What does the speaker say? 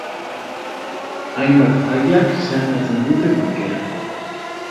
Hainbat failak zeharkatzen dute parkea.